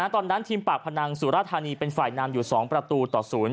ตอนนั้นทีมปากพนังสุราธานีเป็นฝ่ายนำอยู่๒ประตูต่อ๐